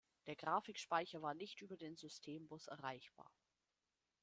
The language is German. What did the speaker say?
Der Grafikspeicher war nicht über den Systembus erreichbar.